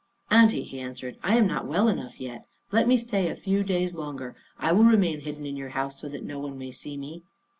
"Aunty," he answered, "I am not well enough yet. Let me stay a few days longer. I will remain hidden in your house, so that no one may see me."